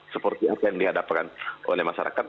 seperti apa yang dihadapkan oleh masyarakat